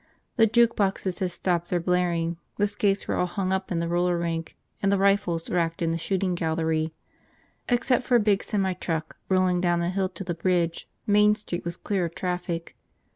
The jukeboxes had stopped their blaring, the skates were all hung up in the roller rink and the rifles racked in the shooting gallery. Except for a big semitruck rolling down the hill to the bridge, Main Street was clear of traffic.